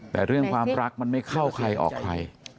แต่เรื่องความรักมันไม่เข้าใครออกใคร